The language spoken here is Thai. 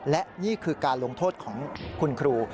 และนี่คือการลงโทษของคุณครู